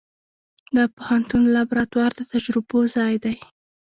د پوهنتون لابراتوار د تجربو ځای دی.